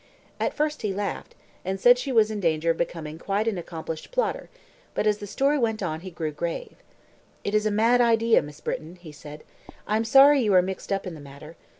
At first he laughed, and said she was in danger of becoming quite an accomplished plotter; but, as the story went on, he grew grave. "It is a mad idea, Miss Britton," he said. "I am sorry you are mixed up in the matter.